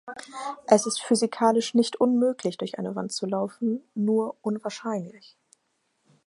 Es ist physikalisch nicht unmöglich, durch eine Wand zu laufen, nur unwahrscheinlich.